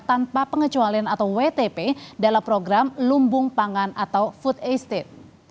tanpa pengecualian atau wtp dalam program lumbung pangan atau food estate